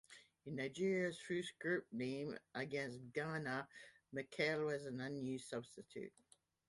In Nigeria's first group game, against Ghana, Mikel was an unused substitute.